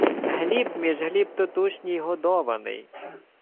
— Гліб, між Гліб тутушній годований.